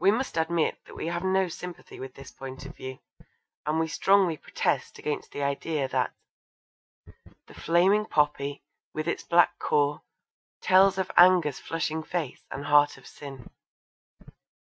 We must admit that we have no sympathy with this point of view, and we strongly protest against the idea that The flaming poppy, with its black core, tells Of anger's flushing face, and heart of sin.